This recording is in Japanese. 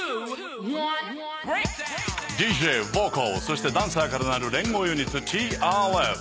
ＤＪボーカルそしてダンサーから成る連合ユニットＴＲＦ。